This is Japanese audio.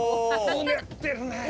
うねってるね！